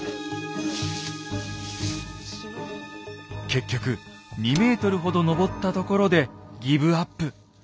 結局２ｍほど登ったところでギブアップ。